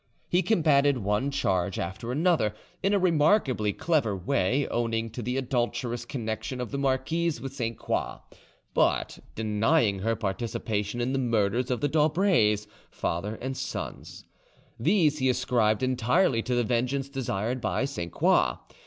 He combated one charge after another, in a remarkably clever way, owning to the adulterous connection of the marquise with Sainte Croix, but denying her participation in the murders of the d'Aubrays, father and sons: these he ascribed entirely to the vengeance desired by Sainte Croix.